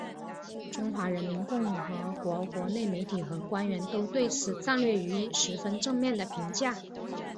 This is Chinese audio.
中华人民共和国国内媒体和官员都对此战略予以十分正面的评价。